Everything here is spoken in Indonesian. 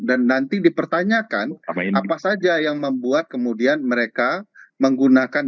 dan nanti dipertanyakan apa saja yang membuat kemudian mereka menggunakan